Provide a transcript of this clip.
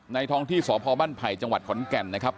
ท้องที่สพบ้านไผ่จังหวัดขอนแก่นนะครับ